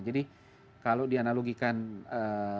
jadi kalau dianalogikan perdagangan